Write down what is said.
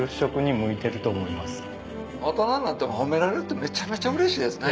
大人になって褒められるってめちゃめちゃうれしいですね。